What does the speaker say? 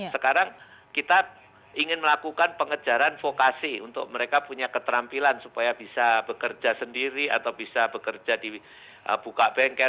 sekarang kita ingin melakukan pengejaran vokasi untuk mereka punya keterampilan supaya bisa bekerja sendiri atau bisa bekerja di buka bengkel